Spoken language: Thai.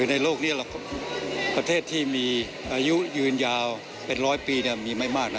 ในโลกนี้ประเทศที่มีอายุยืนยาวเป็นร้อยปีมีไม่มากนะ